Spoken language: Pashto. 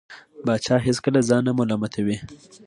پاچا هېڅکله ځان نه ملامتوي .